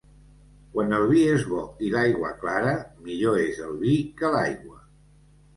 Quan el vi és bo i l'aigua clara, millor és el vi que l'aigua.